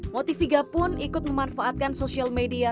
motiviga pun ikut memanfaatkan sosial media